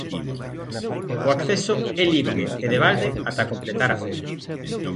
O acceso é libre e de balde ata completar aforo.